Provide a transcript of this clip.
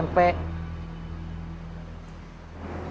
nggak ada yang mau ngecegat saya